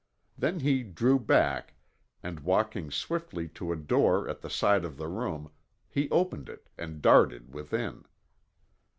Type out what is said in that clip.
Then he drew back and walking swiftly to a door at the side of the room, he opened it and darted within.